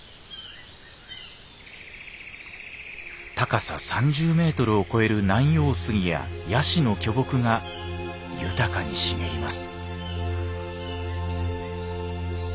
高さ３０メートルを超えるナンヨウスギやヤシの巨木が豊かに茂ります。